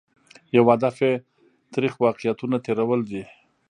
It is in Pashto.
یو هدف یې ترخ واقعیتونه تېرول دي.